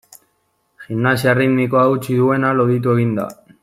Gimnasia erritmikoa utzi duena loditu egin da.